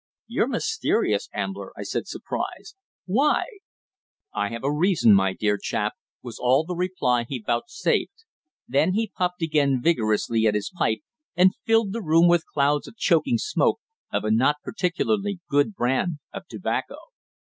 "You're mysterious, Ambler," I said, surprised. "Why?" "I have a reason, my dear chap," was all the reply he vouchsafed. Then he puffed again vigorously at his pipe, and filled the room with clouds of choking smoke of a not particularly good brand of tobacco.